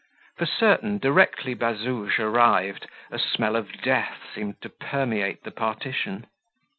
For certain, directly Bazouge arrived, a smell of death seemed to permeate the partition.